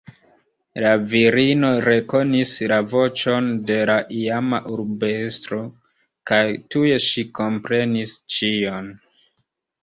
La virino rekonis la voĉon de la iama urbestro kaj tuj ŝi komprenis ĉion.